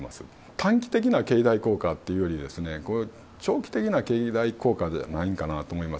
短期的な経済効果っていうより、長期的な経済効果じゃないんかなと思います。